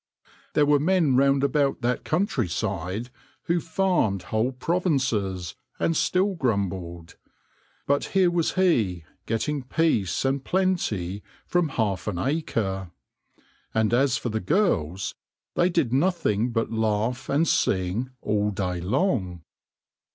There were men round about that country side who farmed whole provinces, and still grumbled ; but here was he, getting peace and plenty from half an acre ; and as for the girls, they did nothing but laugh and sing all day long.